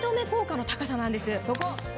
そこ！